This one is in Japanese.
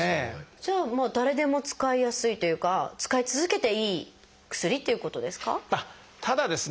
じゃあ誰でも使いやすいというか使い続けていい薬っていうことですか？